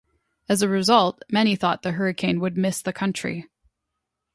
As a result, many thought the hurricane would miss the country.